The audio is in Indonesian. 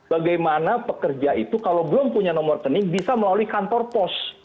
bagaimana pekerja itu kalau belum punya nomor rekening bisa melalui kantor pos